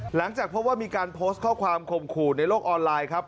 หลังจากพบว่ามีการโพสต์ข้อความข่มขู่ในโลกออนไลน์ครับ